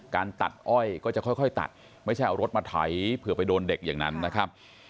การตัดอ้อยก็จะค่อยตัดไม่ใช่เอารถมาไถเผื่อไปโดนเด็กอย่างนั้นนะครับ